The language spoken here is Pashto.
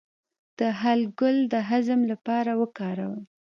د هل ګل د هضم لپاره وکاروئ